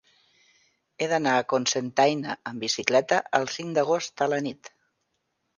He d'anar a Cocentaina amb bicicleta el cinc d'agost a la nit.